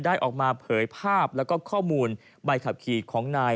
ได้ออกมาเผยภาพและข้อมูลใบขับขีดของนาย